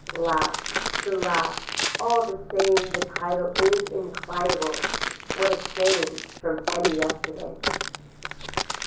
Laugh, to laugh, all the same the tittle is inclinable. What a change from any yesterday.